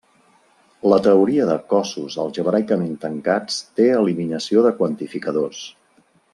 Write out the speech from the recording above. La teoria de cossos algebraicament tancats té eliminació de quantificadors.